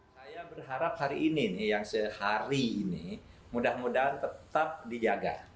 saya berharap hari ini nih yang sehari ini mudah mudahan tetap dijaga